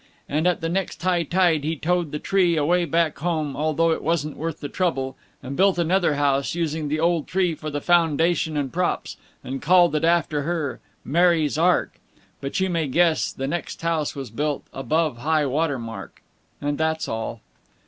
And at the next high tide he towed the tree away back home, although it wasn't worth the trouble, and built another house, using the old tree for the foundation and props, and called it after her, "Mary's Ark!" But you may guess the next house was built above high water mark. And that's all.